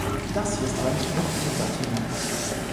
Das ist hier aber nicht wirklich unser Thema.